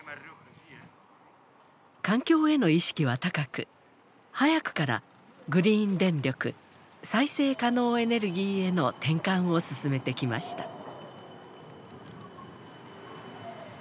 環境への意識は高く早くからグリーン電力再生可能エネルギーへの転換を進めてきました。